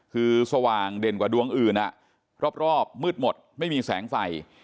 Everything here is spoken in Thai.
คือสว่างเด่นกว่าดวงอื่นรอบมืดหมดไม่มีแสงไฟ